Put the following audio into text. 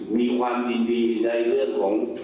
มีความยินดีในเรื่องของ